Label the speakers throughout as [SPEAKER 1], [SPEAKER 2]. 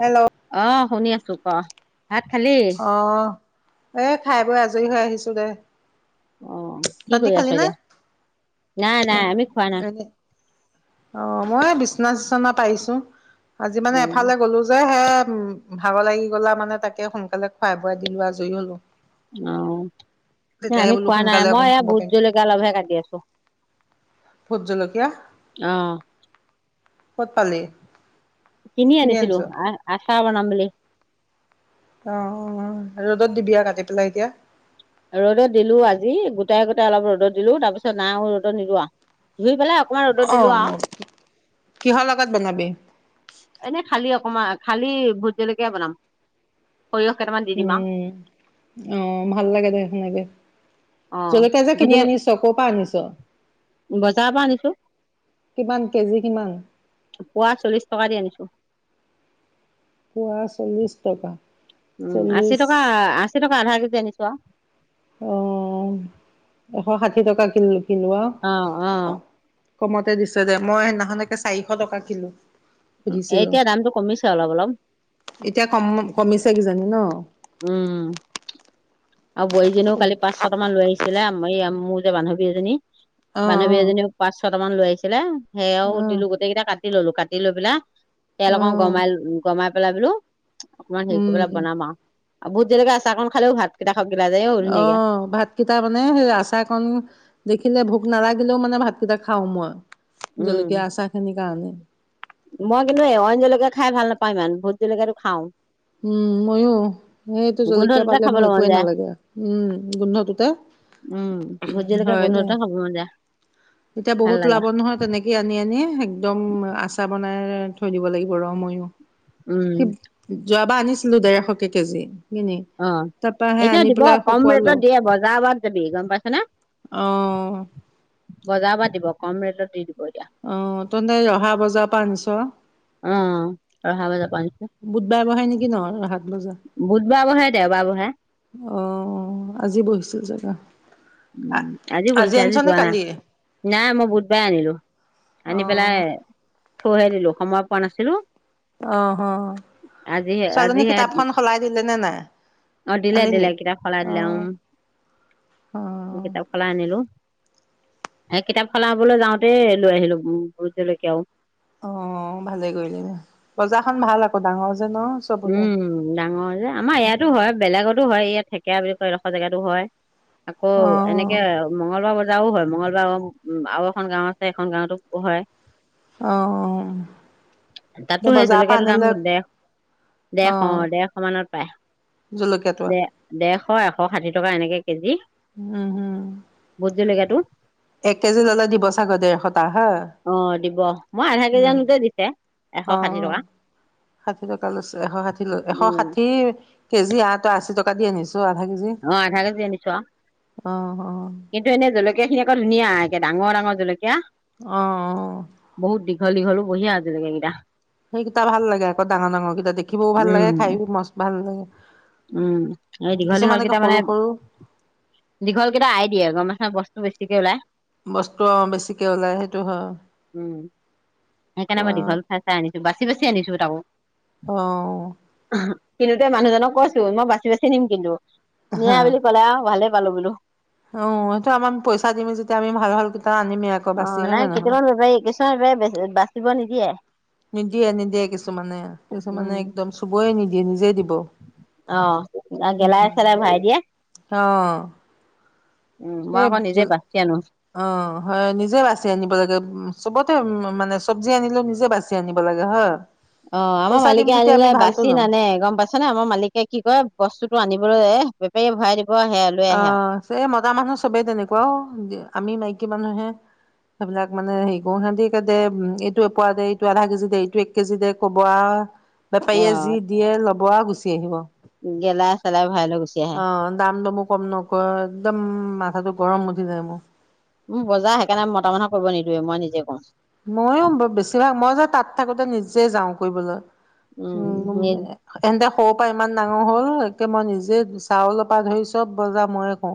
[SPEAKER 1] Hello.
[SPEAKER 2] আহ শুনি আছো কোৱা
[SPEAKER 1] অ--হ এ খাই বৈ আজৰি হৈ আহিছো দে।
[SPEAKER 2] অ কি
[SPEAKER 1] তহতি
[SPEAKER 2] কৰি আছ
[SPEAKER 1] খালি নে
[SPEAKER 2] এতিয়া? নাই নাই আমি খোৱা নাই।
[SPEAKER 1] এনে অ মই বিচনা চিচনা পাৰিছো'। আজি
[SPEAKER 2] অ
[SPEAKER 1] মানে এফালে গ'লো যে এম ভাগৰ লাগি গ'লা আৰু মানে তাকে সোনকালে খুৱাই বোৱাই দিলো, আজৰি হ'লো।
[SPEAKER 2] আহ
[SPEAKER 1] তেতিয়াহে
[SPEAKER 2] আমি
[SPEAKER 1] বোলো
[SPEAKER 2] খোৱা নাই
[SPEAKER 1] সোনকালে অকণ
[SPEAKER 2] মই এ
[SPEAKER 1] শুব
[SPEAKER 2] ভোট
[SPEAKER 1] পাৰিম
[SPEAKER 2] জলকীয়া অলপহে কাটি আছো
[SPEAKER 1] ভোট জলকীয়া
[SPEAKER 2] আহ
[SPEAKER 1] ক'ত পালি।
[SPEAKER 2] কিনি আনিছিলো
[SPEAKER 1] আনিছ অ
[SPEAKER 2] আই আই। আচা বনাম বুলি
[SPEAKER 1] অ ৰ'দত দিবি আৰু কাটি পেলাই এতিয়া।
[SPEAKER 2] ৰ'দত দিলো আজি গোটাই গোটাই অলপ ৰ'দত দিলো তাৰপিছত নাই আও ৰ'দত নিদো ধুই পেলাই অকমান ৰ'দত দিলো
[SPEAKER 1] আহ
[SPEAKER 2] আৰু
[SPEAKER 1] কিহৰ আগত বনাবি
[SPEAKER 2] কমা খালি ভোট জলকীয়া বনাম সৰিয়হ কেইটামান দি দিম আৰু
[SPEAKER 1] উম', অহ', ভাল লাগে। দেহ সেনেকে।
[SPEAKER 2] অ
[SPEAKER 1] জলকীয়া যে
[SPEAKER 2] ভোট
[SPEAKER 1] কিনি
[SPEAKER 2] জল
[SPEAKER 1] আনিছ ক'ৰ পৰা আনিছ,
[SPEAKER 2] বজাৰৰ পৰা আনিছো
[SPEAKER 1] কিমান কেজি কিমান?
[SPEAKER 2] পোৱা চল্লিশ টকা দি আনিছো
[SPEAKER 1] পুৱা চল্লিশ টকা
[SPEAKER 2] উম আশী
[SPEAKER 1] চল্লিছ
[SPEAKER 2] টকা আশী টকা আধা কেজি। জনিছোৱা,।
[SPEAKER 1] অ এশ ষাঠি টকা কিলো আও
[SPEAKER 2] অ', অ।
[SPEAKER 1] কমতে দিছো যে মই সেইদিনাখনকে চাৰিশ টকা কিলো।
[SPEAKER 2] এ
[SPEAKER 1] সুধিছিলো
[SPEAKER 2] এতিয়া দামটো কমিছে অলপ অলপ
[SPEAKER 1] এতিয়া কম কমিছে কিজানি ন
[SPEAKER 2] উম আৰু বোৱাৰীজনীও
[SPEAKER 1] অ
[SPEAKER 2] কালি পাঁচ ছট মান লৈ আহিছিলে এই আমু যে বান্ধৱী এজনী
[SPEAKER 1] অ
[SPEAKER 2] বান্ধৱী এজনীয়েও পাঁচ ছটা মান লৈ আহিছিলে সেইয়াও
[SPEAKER 1] অ
[SPEAKER 2] দিলো গোটেইটা কাত কাটি ললো কাটি লৈ পেলাই তেল
[SPEAKER 1] অ
[SPEAKER 2] অকন গমাই গমাই কলা বোলো অকমান হেৰি কৰিপেলাই
[SPEAKER 1] উম
[SPEAKER 2] বনাম আও আৰু ভোট জলকীয়া আচাৰ কণ খালেও ভাল
[SPEAKER 1] অ ভাতকেইটা মানে সেই আচাৰ কন দেখি থাকিলে ভোক নালাগিলেও মানে ভাতকেইটা খাওঁ মই
[SPEAKER 2] উম
[SPEAKER 1] জলকীয়া আচাৰ খিনি গান
[SPEAKER 2] মই কিন্তু এই অইন জলকীয়া খাই ভাল নাপাওঁ ইমান ভোট জলকীয়াটো খাও
[SPEAKER 1] উম মইয়ো সেইটো জলকীয়া
[SPEAKER 2] গোন্ধটোতে
[SPEAKER 1] পালে মোক
[SPEAKER 2] খাবলৈ মন
[SPEAKER 1] একোৱেই
[SPEAKER 2] যায়
[SPEAKER 1] নালাগে উম গোন্ধটোতে
[SPEAKER 2] উম ভোট জলকীয়া
[SPEAKER 1] হয় দে
[SPEAKER 2] গোন্ধটোতে খাব মন যায়
[SPEAKER 1] এতিয়া
[SPEAKER 2] ভাল
[SPEAKER 1] বহুত
[SPEAKER 2] লাগে
[SPEAKER 1] ওলাব নহয় তেনেকেই আনি আনিয়ে একদম আচাৰ বনাই থৈ দিব লাগিব ৰ ময়ো
[SPEAKER 2] উম
[SPEAKER 1] সি যোৱাবাৰ আনি ছো ডেৰশকে কেজি কিনি
[SPEAKER 2] অ
[SPEAKER 1] তাৰপাহে
[SPEAKER 2] এতিয়া
[SPEAKER 1] আনি
[SPEAKER 2] দিব
[SPEAKER 1] পেলাই
[SPEAKER 2] কম ৰেটত
[SPEAKER 1] শুকুৱালো
[SPEAKER 2] দিয়ে বজাৰ বাত যাবি গম পাইছ নে
[SPEAKER 1] অ
[SPEAKER 2] বজাৰ বাত দিব কম ৰেটত দি দিব এতিয়া
[SPEAKER 1] অহ তহতে ৰহা বজাপা আনিছ
[SPEAKER 2] অ ৰহা বজাপা আনিছো
[SPEAKER 1] বুধবাৰে বহে নেকি ন ৰহাত বজা
[SPEAKER 2] বুধবাৰ বহে দেওবাৰ বহে
[SPEAKER 1] অ আজি বহিছে যে ত
[SPEAKER 2] উম আজিও বহিছে আজি যোৱা নাই
[SPEAKER 1] কালিয়ে
[SPEAKER 2] নাই মই বুধবাৰে আনিলো
[SPEAKER 1] অ
[SPEAKER 2] আনি পেলাই থৈহে দিলো সময় পোৱা নাছিলো
[SPEAKER 1] অহ অ
[SPEAKER 2] আজি
[SPEAKER 1] ছোৱালীজনী
[SPEAKER 2] আজিহে
[SPEAKER 1] কিতাপখন সলাই দিলে নে নাই
[SPEAKER 2] অ দিলে দিলে
[SPEAKER 1] আনিলি
[SPEAKER 2] কিতাপ সলাই
[SPEAKER 1] অহ অ
[SPEAKER 2] কিতাপখনো আনিলো এ কিতাপ সলাবলৈ যাওঁতে লৈ আহিলো ভোটজলকীয়াও আৰু
[SPEAKER 1] অ ভালে কৰিলি দে বজাৰখন ভাল আকৌ ডাঙৰ যে ন চব ওলাই
[SPEAKER 2] উম ডাঙৰ যে আমাৰ ইয়াতো হয় বেলেগতো হয় ইয়াত থ ক বুলি কয় এডখৰ জেগাটো হয় আকৌ
[SPEAKER 1] অ
[SPEAKER 2] এনেকে মঙ্গলবাৰ বজা আও হয় মংগলবাৰ আও এখন গাঁও আছে এখন গাঁওতো হয়
[SPEAKER 1] অ
[SPEAKER 2] তাতো
[SPEAKER 1] এ
[SPEAKER 2] সেই
[SPEAKER 1] বজাৰ পা
[SPEAKER 2] জলকীয়াটোৰ দাম
[SPEAKER 1] আনিলে
[SPEAKER 2] ডেৰ
[SPEAKER 1] অ
[SPEAKER 2] ডেৰশ ডেৰশ মানত পায়
[SPEAKER 1] জলকীয়াটো
[SPEAKER 2] দেৰ দেৰ এশ এশ ষাঠি টকা এনেকে কেজি
[SPEAKER 1] উম হম
[SPEAKER 2] বুট জলকীয়া টো
[SPEAKER 1] এক কেজি ললে দিব চাগ ডেৰশটা হে
[SPEAKER 2] অ দিব মই আধা কেজি আনোতে তে দিছে এশ ষাঠি টকা
[SPEAKER 1] তালৈছ এশ ষাঠি ল এশ
[SPEAKER 2] উম
[SPEAKER 1] ষাঠি কেজি ইয়াতে আশী টকা দি আনিছো আধা কেজি
[SPEAKER 2] অ আধা কেজি আনিছো আৰু
[SPEAKER 1] অ অ
[SPEAKER 2] কিন্তু এনে জলকীয়া খিনি আকৌ ধুনীয়া ডাঙৰ ডাঙৰ জুলকীয়া
[SPEAKER 1] আহ
[SPEAKER 2] দীঘল দীঘল হলি আজি লৈকে এইকেইটা
[SPEAKER 1] সেইকেইটা ভাল লাগে আকৌ ডাঙৰ ডাঙৰকেইটা দেখিবও ভাল
[SPEAKER 2] উম
[SPEAKER 1] লাগে খাইয়ো মস ভাল লাগে
[SPEAKER 2] উম এই দীঘল দীঘল
[SPEAKER 1] কিছুমান একে
[SPEAKER 2] কেইটা মানে
[SPEAKER 1] সৰু সৰু
[SPEAKER 2] দীঘল কেইটা এৰাই দিয়ে গম পাইছা নাই বস বেছিকে ওলাই
[SPEAKER 1] বস্তু অ বেছিকে ওলাই সেইটো হয়
[SPEAKER 2] উম সেইকাৰণে মই
[SPEAKER 1] কোৱা
[SPEAKER 2] দীঘল চাই চাই আনিছো বাচি বাচি আনিছো তাকো
[SPEAKER 1] আহ
[SPEAKER 2] কিনিওতে মানুহজনক কৈছোঁ মই বছি বাছি নিম কিন্তু
[SPEAKER 1] হা
[SPEAKER 2] নিয়া বুলি কলে আও ভাৰালো ভাৱালো বোলো
[SPEAKER 1] অ সেইটো ইমান পইচা দিমি যেতিয়া আমি ভাল ভাল আনিমেই আকৌ
[SPEAKER 2] অ
[SPEAKER 1] বাচি হয়
[SPEAKER 2] নাই
[SPEAKER 1] নে নহয়
[SPEAKER 2] কেইটামান বেপাৰী কিছুমান বেপাৰী বেছি বাচিব নিদিয়ে
[SPEAKER 1] নিদিয়ে নিদিয়ে কিছুমানে কিছুমানে একদম চোবই নিদিয়ে। সি নিজেই দিব।
[SPEAKER 2] আহ গেলাই
[SPEAKER 1] উম
[SPEAKER 2] চেলাই ভাৰাই দিয়ে উম মই
[SPEAKER 1] সেই
[SPEAKER 2] আকৌ নিজে বাচি আনো
[SPEAKER 1] অ হয় নিজে বাচি আনিব লাগে উ চবতে উ মানে চব্জি আনিলে নিজে বাচি আনিব লাগে হ।
[SPEAKER 2] অহ ', আমাৰ মালিকে আনিলে বাচি
[SPEAKER 1] ল'ম
[SPEAKER 2] নানে গম পাইছ নে। আমাৰ মালিকে কি কৰে বস্তু আনিবলৈ এহ বেপাৰীয়ে ভৰাই। আহে লৈ আহে আৰু
[SPEAKER 1] অহ ', সে মতা মানুহ চবেই তেনেকুৱাও আমি অহ ', মাইকি কি মানুহে সেইবিলাক মানে হেৰি গ সে দে উম', এইটো এপোৱা দে এইটো আধা কেজি দে এইটো এক কেজি দে কব আৰু। বেপাৰীয়ে যি দিয়ে ল'ব গুচি। আহিব।
[SPEAKER 2] গেলা চালাই ভাই ল গুচি আহে।
[SPEAKER 1] অ', দাম দমো কম নক একদম মাথাটো গৰম উঠি যায় মোৰ।
[SPEAKER 2] মোৰ বজাৰ সেইকাৰে মতা মানহ কৰিব নিদোৱে মই নিজে কৰো।
[SPEAKER 1] ময়ো বেছিভাগ মই যে তাত থাকোতে নিজে যাওঁ কৰিবলৈ। উম', - উম ', এহেন্তে খপ ইমান ডাঙৰ হ'ল একে মই নিজে চাউলৰ পৰা ধৰি চব বজাৰ ময়ে কৰো।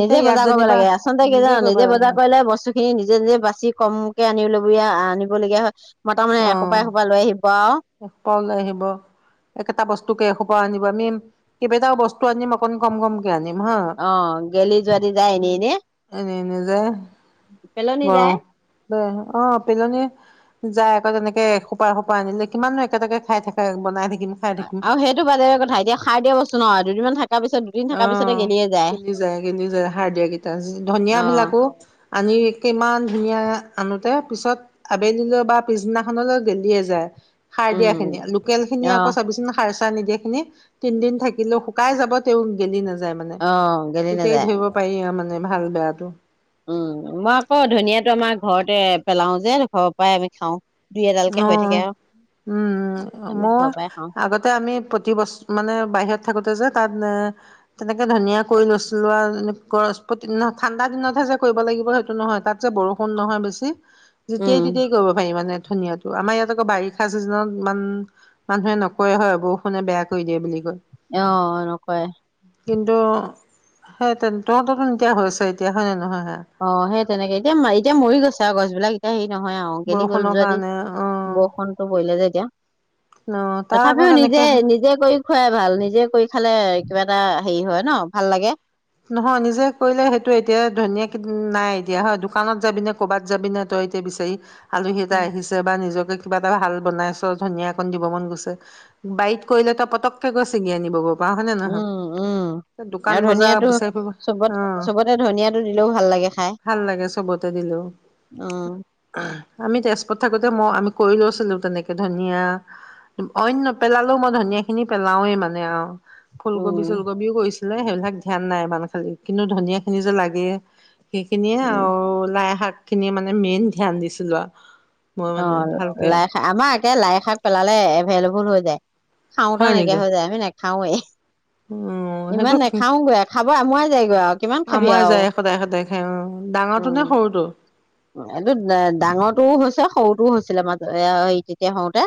[SPEAKER 2] নিজে
[SPEAKER 1] ইয়াত
[SPEAKER 2] বজাৰ কৰিব
[SPEAKER 1] যেনিবা
[SPEAKER 2] লাগে আচলতে কি জানা
[SPEAKER 1] কৰিব
[SPEAKER 2] নিজে বজাৰ
[SPEAKER 1] লাগে
[SPEAKER 2] কৰিলে বস্তু খিনি নিজে - নিজে বাচি কমকে আনিব ল। য়া আনিবলগীয়া হয়। মতামানুহে এসোপা- এসোপা লৈ আহিব আৰু।
[SPEAKER 1] এশোপা ওলাই আহিব একেটা বস্তুকে এশোপা আনিব আমি কেইটাও বস্তু আনিম অকন কম- কম।
[SPEAKER 2] অহ ', গেলি যোৱ দি যায় এনেই এনে
[SPEAKER 1] এনে এনে যে
[SPEAKER 2] পেলনি যায়।
[SPEAKER 1] অহ ', পেলনী যাই আকৌ তেনেকে এ - এসোপা আনিলে। কিমাননো একেটাকে খাই থাকে বনাই থাকিম। খাই থাকিম
[SPEAKER 2] আৰু সেইটো বাদেৰে কথা এতিয়া খাই দিয়া বস্তু ন দুদিনমান থাকে।
[SPEAKER 1] অহ', গেলি যায় - গেলি যায় সাৰ দিয়া কিটা।
[SPEAKER 2] অ
[SPEAKER 1] ধনিয়া বিলাকো আনি কিমান ধুনীয়া।। আনোতে পিছত আবেলিলৈ বা পিছদিনাখনলৈ গেলিয়ে যায়। সাৰ দিয়া খিনিয়ি
[SPEAKER 2] উম
[SPEAKER 1] লোকেল খিনি
[SPEAKER 2] অ
[SPEAKER 1] আকৌ চাবিচোন সাৰ। নিদিয়েখিনি তিনদিন থাকিলেও শুকাই যাব। তেও গেলি নাযায় মানে
[SPEAKER 2] অ গেলি
[SPEAKER 1] তেতিয়াই
[SPEAKER 2] নাযায়
[SPEAKER 1] ধৰিব পাৰি আৰু মানে। মে ভাল বেয়াটো
[SPEAKER 2] উম', মই আকৌ ধনিয়াতটো আমাৰ ঘৰতে পেলাও যে ঘৰৰ পৰাই আমি খাওঁ। দুই এডালকে হৈ
[SPEAKER 1] অহ
[SPEAKER 2] থাকে আৰু
[SPEAKER 1] ', উম', - উম ',
[SPEAKER 2] আমি
[SPEAKER 1] মই
[SPEAKER 2] ঘৰৰ পৰাই খাওঁ
[SPEAKER 1] আগতে আমি প্ৰতি বছ মানে বাহিৰত থাকোতে যে তাত এ তেনেকে ধনিয়া কৰি লৈছিলোঁ আৰু গৰহস্পতি ন? ঠাণ্ডা দিনতহে যে কৰিব লাগিব সেইটো নহয় তাত যে বৰষুণ নহয় বেছি। যেতিয়াই
[SPEAKER 2] উম
[SPEAKER 1] তেতিয়াই কৰিব পাৰি মানে। ধুনীয়াতো আমাৰ ইয়াত আকৌ বাৰিষা চিজনত ইমান মানুহে নকৰে হয় বৰষুণে বেয়া কৰি দিয়ে বুলি কয়।
[SPEAKER 2] অহ ', নকৰে
[SPEAKER 1] কিন্তু সেই তেন্তে তহঁততো নিতিয়া হৈছে এতিয়া হয় নে নহয়।
[SPEAKER 2] অঁ সেই তেনেকে এতিয়া এতিয়া মৰি গৈছে আৰু গছ এইবিলাক এতিয়া আহি নহয় আহ গেলি গ'ল
[SPEAKER 1] বৰষুণৰ
[SPEAKER 2] যদি
[SPEAKER 1] কাৰণে অ',
[SPEAKER 2] বৰষুণতটো পৰিলে যে এতিয়া
[SPEAKER 1] অ', তাৰ আকৌ
[SPEAKER 2] তথাপিও নিজে
[SPEAKER 1] কেনেকে
[SPEAKER 2] নিজে কৰি খুৱাই ভাল নিজে কৰি খালে। কিবা এটা হেৰি হয় ন ভাল লাগে
[SPEAKER 1] নহয় নিজে কৰিলে সেইটো এতিয়া ধুনীয়া নাই এতিয়া হয় দোকানত যাবি নে কৰ'বাত যাবি নে তই এতিয়া বিচাৰি আলহী এটা
[SPEAKER 2] উম,
[SPEAKER 1] আহিছে বা নিজক। কিবা এটা ভাল বনাইছ ধনিয়াকন দিব মন গৈছে বাৰীত কৰিলে তই পতকে গৈ ছিগি আনিব গ
[SPEAKER 2] উম উম আৰু
[SPEAKER 1] বজাৰ
[SPEAKER 2] ধনিয়াটো
[SPEAKER 1] বিচাৰি ফুৰিব অ
[SPEAKER 2] চবতে চবতে ধনিয়াটো দিলেওঁ ভাল লাগে খাই
[SPEAKER 1] ভাল লাগে চবতে দিলেও
[SPEAKER 2] উ
[SPEAKER 1] আমি তেজপুৰত থাকোতে মই আমি কৰি লৈছিলো তেনেকে ধনিয়া অইন নেপেলালেও মই ধনিয়া খিনি পেলাওৱে মানে আৰু
[SPEAKER 2] উম,
[SPEAKER 1] ফুলকবি চুলকবিও গৈছে সেইবিলাক ধ্যান নাই ইমান খালি কিন্তু ধনিয়া খিনি যে লাগে। সেইখিনিয়ে
[SPEAKER 2] উম।
[SPEAKER 1] আৰু লাই শাক।। খিনিয়ে মানে মেইন ধ্যান দিছিলো আৰু মই মানে
[SPEAKER 2] অঁ
[SPEAKER 1] ভালকে
[SPEAKER 2] লাই খা আমাৰ আমাৰ লাই শাক পেলালে এভেইলেবল হৈ যায় খাওঁতা
[SPEAKER 1] হয় নেকি
[SPEAKER 2] নাইকিয়াই হৈ যায় খাওঁয়ে
[SPEAKER 1] উম সেইটো
[SPEAKER 2] আমুৱাই যায়গৈ আৰু কিমান খাবি
[SPEAKER 1] আমাৰ
[SPEAKER 2] আৰু।
[SPEAKER 1] যায় সদায় খাই অঁ ডাঙৰটো
[SPEAKER 2] উম,
[SPEAKER 1] নে সৰুটো
[SPEAKER 2] এইটো ডাঙৰটোও হৈছে সৰুটোও হৈছিলে মাজত তেতিয়া হওঁতে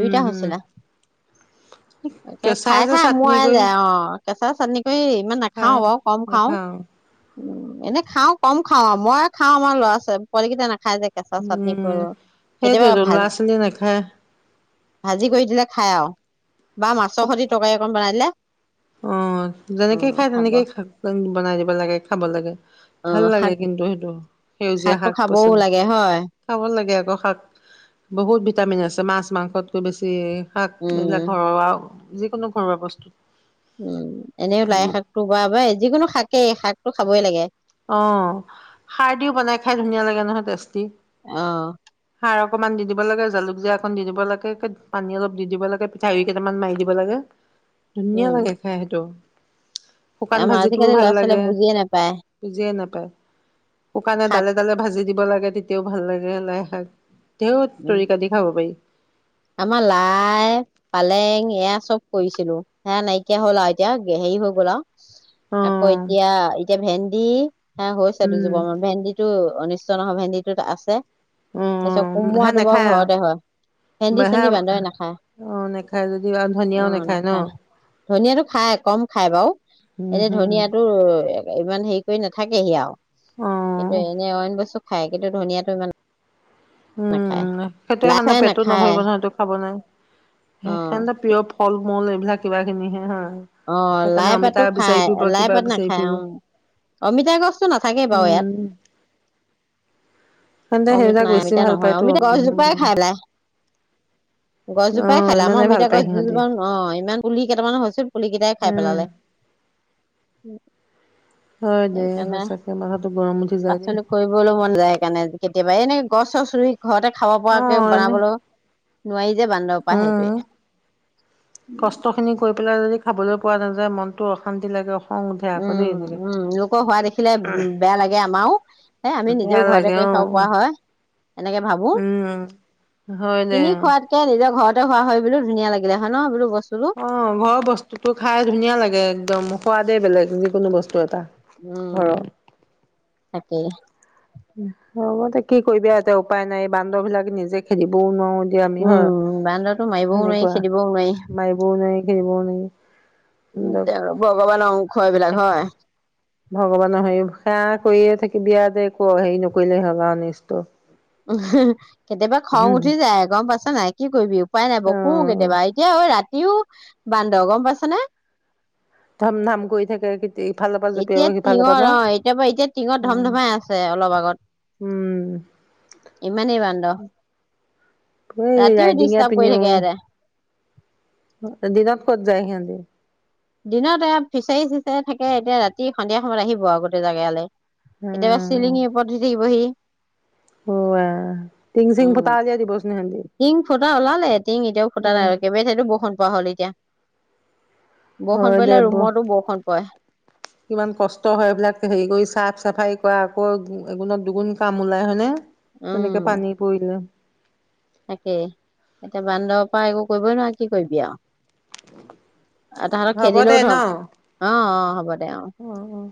[SPEAKER 1] উম হম
[SPEAKER 2] হৈছিলা ত
[SPEAKER 1] কেঁচাই
[SPEAKER 2] খাই
[SPEAKER 1] যে
[SPEAKER 2] খাই
[SPEAKER 1] চাটনি
[SPEAKER 2] মোৱ
[SPEAKER 1] কৰি
[SPEAKER 2] যায় অ কেঁচা চাটনি কৰি ইমান
[SPEAKER 1] খাই
[SPEAKER 2] নাখাওঁ বাৰ কম খাওঁ
[SPEAKER 1] নাখাওঁ
[SPEAKER 2] উ এনে খাওঁ কম খাওঁ আৰু মই খাওঁ আমাৰ ল'ৰা ছী পোৱালি কেইটাই নাখাই খাই যে কেঁচা চাটনি
[SPEAKER 1] উম
[SPEAKER 2] কৰো কেতিয়াবা
[SPEAKER 1] সেইটোৱেতো
[SPEAKER 2] ভাজি
[SPEAKER 1] ল'ৰা ছোৱালীয়ে নাখায়
[SPEAKER 2] ভাজি কৰি দিলে খাই আৰু বা মাছৰ খতি টকাৰে অকণ বনাই হ
[SPEAKER 1] আঁহ যেনেকেই খায় তেনেকেই খ বনাই দিব লাগে খাব লাগে ভাল
[SPEAKER 2] অ',
[SPEAKER 1] লাগে
[SPEAKER 2] শাক
[SPEAKER 1] কিন্তু, সেইটো সেউজীয়া
[SPEAKER 2] শাকটো
[SPEAKER 1] শাক
[SPEAKER 2] খাবও
[SPEAKER 1] -পাচলি
[SPEAKER 2] লাগে হয়
[SPEAKER 1] খাব লাগে। লাগে আকৌ শাক বহুত ভিটামিন আছে মাছ মাংসতকৈ বেছি শাক এইবিলাক
[SPEAKER 2] উম,
[SPEAKER 1] ঘৰৰ আৰু যিকোনো ঘৰুৱা বস্তুত
[SPEAKER 2] উম এনেইও লাই শাকটো বা বা যিকোনো শাকেই শাক খাবই লাগে
[SPEAKER 1] অ সাৰ দিও বনাই খাই ধুনীয়া লাগে নহয় টেষ্টি
[SPEAKER 2] অ',
[SPEAKER 1] সাৰক অকমান দি দিব লাগে জালুক জীয়া একন দি দিব লাগে পানী অলপ দি দিব লাগে পিঠা কেইটামান মাৰি দিব লাগে ধুনীয়া
[SPEAKER 2] উম,
[SPEAKER 1] লাগে খাই সেইটো শুকান
[SPEAKER 2] আমাৰ
[SPEAKER 1] ভাজিটোও
[SPEAKER 2] আজিকালি
[SPEAKER 1] ভাল
[SPEAKER 2] ল'ৰা
[SPEAKER 1] লাগে
[SPEAKER 2] ছোৱালীয়ে বুজিয়ে নাপায়
[SPEAKER 1] বুজিয়ে নাপায় শুকানে
[SPEAKER 2] শাক
[SPEAKER 1] ডালে ডালে ভাজি দিব লাগে তেতিয়াও ভাল লাগে লাই শাক তেও
[SPEAKER 2] উম,
[SPEAKER 1] তৰিকা দি খাব পাৰি
[SPEAKER 2] আমাৰ লাই পালেং এয়া চব কৰিছিলো হে নাইকিয়া হ'ল আৰু এতিয়া হেৰি হৈ গ'ল আৰু
[SPEAKER 1] অ
[SPEAKER 2] আকৌ এতিয়া এতিয়া ভেন্দি হা হৈছে
[SPEAKER 1] উম
[SPEAKER 2] দুজোপা মান ভেন্দিটো অনিষ্ট নহয় ভেন্দিটোত আছে
[SPEAKER 1] অ
[SPEAKER 2] তাৰপিছত
[SPEAKER 1] হা
[SPEAKER 2] কোমোৰাটো বাও
[SPEAKER 1] নাখায়
[SPEAKER 2] ঘৰতে হয় ভেন্দি
[SPEAKER 1] হা
[SPEAKER 2] চেন্দি বান্দৰে
[SPEAKER 1] অ যদি আৰু
[SPEAKER 2] নাখায়
[SPEAKER 1] ধনিয়াও
[SPEAKER 2] অ
[SPEAKER 1] ন
[SPEAKER 2] নাখায় ধনিয়াটো খায় কম খায় বাৰু
[SPEAKER 1] উম
[SPEAKER 2] এতিয়া
[SPEAKER 1] হম
[SPEAKER 2] ধনিয়াটো ইমান হেৰি কৰি নাথাকেহি আৰু
[SPEAKER 1] অ
[SPEAKER 2] কিন্তু এনেই অইন বচু খাই কিন্তু ধুনীয়াটো ইমান
[SPEAKER 1] উম হেটো
[SPEAKER 2] লাই
[SPEAKER 1] সেন ন
[SPEAKER 2] চাই
[SPEAKER 1] পেটত
[SPEAKER 2] নাখায়
[SPEAKER 1] নভৰিব ন সেইটো খাব নাই
[SPEAKER 2] অ
[SPEAKER 1] সেইখান ন প্ৰিয় ফল মল এইবিলাক কিবা কিবি হে হয়
[SPEAKER 2] অহ
[SPEAKER 1] সেইকাৰণে অমিতা
[SPEAKER 2] লাইপাতো
[SPEAKER 1] বিচাৰি
[SPEAKER 2] খাই
[SPEAKER 1] ফুৰিব কিবা
[SPEAKER 2] লাইপাত
[SPEAKER 1] বিচাৰি
[SPEAKER 2] নাখায়
[SPEAKER 1] ফুৰিব
[SPEAKER 2] অ অমিতা গছতটো নাথাকে বাৰু ইয়াত
[SPEAKER 1] উম সেতে
[SPEAKER 2] অমিত
[SPEAKER 1] সেইবিলাক
[SPEAKER 2] নাই
[SPEAKER 1] বেছি
[SPEAKER 2] অমিতা
[SPEAKER 1] ভাল
[SPEAKER 2] নহয়
[SPEAKER 1] পায়তো
[SPEAKER 2] অমিতা
[SPEAKER 1] উম
[SPEAKER 2] গছজোপাই খাই পেলাই
[SPEAKER 1] অ
[SPEAKER 2] গছজোপাই খাই লে আমাৰ
[SPEAKER 1] ইমানেই ভাল
[SPEAKER 2] অমিতা
[SPEAKER 1] পায়
[SPEAKER 2] গছ
[SPEAKER 1] সিহঁতি
[SPEAKER 2] দুজোপা অ ইমান পুলি কেইটামান হৈছ পুলি কেইটাই খাই পেলালে
[SPEAKER 1] উম
[SPEAKER 2] উম
[SPEAKER 1] হয় দে
[SPEAKER 2] সেইকাৰণে
[SPEAKER 1] সঁচাকে মাথাটো গৰম উঠি যায় দেই।
[SPEAKER 2] পাচলি কৰিবলৈ মন যায় সেইকাৰণে কেতিয়াবা এনে গছ চচ ৰুই ঘৰতে খাব পৰাকে
[SPEAKER 1] অ', এনে
[SPEAKER 2] বনাবলৌ নোৱাৰি যে বান্দৰ পৰা সেইটোৱে
[SPEAKER 1] উম, কষ্টখিনি কৰি পেলাই যদি খাবলৈ পোৱা নাযায় মনতটো অশান্তি লাগে অ
[SPEAKER 2] উম উম লোকৰ হোৱা দেখিলে উম বেয়া লাগে আমাৰও এ আমি নিজেও
[SPEAKER 1] বেয়া
[SPEAKER 2] ঘৰতে
[SPEAKER 1] লাগে
[SPEAKER 2] কৰি খাব
[SPEAKER 1] অ',
[SPEAKER 2] পৰা হয় এনেকে ভাবো
[SPEAKER 1] উম, হয় দে।
[SPEAKER 2] কিনি খোৱাতকে নিজৰ ঘৰত হোৱা হয় বুলি ধুনীয়া লাগিলে হয় ন বোলো বস
[SPEAKER 1] অঁ ঘৰৰ বস্তুটো খাই ধুনীয়া লাগে একদম, সোৱাদে বেলেগ কোনো বস্তু এটা।
[SPEAKER 2] উম,
[SPEAKER 1] ঘৰৰ
[SPEAKER 2] তাকেই।
[SPEAKER 1] হ'ব দে কি কৰিবি আৰু এতিয়া উপায় নাই, বান্দৰ বিলাক নিজে খেদিবও নোৱাৰো। এতিয়া আমি
[SPEAKER 2] উম
[SPEAKER 1] হয়।
[SPEAKER 2] বান্দৰতো মাৰিবও নোৱাৰি,
[SPEAKER 1] সেনেকুৱা
[SPEAKER 2] খেদিবও নোৱাৰি।
[SPEAKER 1] [unintelligible]
[SPEAKER 2] উম, তেওঁৰ ভগৱান অ খুৱাই [unintelligible] হয়।
[SPEAKER 1] ভগৱানৰ হেৰি সেৱা কৰিয়ে থাকিবি আৰু তে একো হেৰি নকৰিলে হ'ল, অনিষ্ট।
[SPEAKER 2] উ [unintelligible] কেতিয়াবা খং উঠি যায়, গম পাইচা নাই। কি কৰিবি উপাই নাই বকো
[SPEAKER 1] অ',
[SPEAKER 2] কেতিয়াবা, এতিয়া হয় ৰাতি ইও বান্দৰ, গম পাইচা নে।
[SPEAKER 1] ধাম ধাম কই থাকে ইফালৰ পৰা জঁপিয়াব
[SPEAKER 2] এতিয়া
[SPEAKER 1] সিফালৰ পৰা ন।
[SPEAKER 2] টিঙৰ অঁ, এতিয়া পৰা এতিয়া টিঙত ধম
[SPEAKER 1] অ',
[SPEAKER 2] ধমাই আছে অলপ আগত,
[SPEAKER 1] উম
[SPEAKER 2] ইমানেই বান্দৰ,
[SPEAKER 1] এই
[SPEAKER 2] ৰাতিও
[SPEAKER 1] ৰাইডিঙে
[SPEAKER 2] ডিষ্টাৰ্ব কৰি
[SPEAKER 1] পিনেও
[SPEAKER 2] থাকে সিহঁতে।
[SPEAKER 1] দিনত ক'ত যায় সিহঁতি
[SPEAKER 2] দিনত এ ফিচাৰি চিচাৰি থাকে, এতিয়া ৰাতি সন্ধিয়া সময়ত আহিব আৰু গোটেই যাক ইয়ালে। কেতিয়াবা
[SPEAKER 1] উম,
[SPEAKER 2] চিলিঙিৰ ওপৰত উঠি থাকিবহি,
[SPEAKER 1] হোৱা টিং চিং ফুটা উলিয়াই দিবচোন সিহঁতি।
[SPEAKER 2] উম। টিং ফুটা ওলালে, টিং এতিয়াও ফুটা নাই
[SPEAKER 1] উম,
[SPEAKER 2] আৰু কেইবে থাইতো বৰষুন পৰা হ'ল এতিয়া। বৰষুণ
[SPEAKER 1] হয় দে
[SPEAKER 2] পৰিলে
[SPEAKER 1] ব
[SPEAKER 2] ৰুমতো বৰষুণ পৰে।
[SPEAKER 1] কিমান কষ্ট হয় এইবিলাক হেৰি কৰি চাফ চাফাৰী কৰা আকৌ এগুণত দুগুণ কাম ওলাই হয়নে। তেনেকে
[SPEAKER 2] উম
[SPEAKER 1] পানী পৰিলে
[SPEAKER 2] তাকেই এতিয়া বান্দৰৰ পৰা একো কৰিবই নোৱাৰ, কি কৰিবি আৰু। তাহতক
[SPEAKER 1] হ'ব দে
[SPEAKER 2] খেদিলেও
[SPEAKER 1] ন
[SPEAKER 2] ধৰ,
[SPEAKER 1] অ',
[SPEAKER 2] অঁ -অঁ হ'ব দে অ।
[SPEAKER 1] অ'।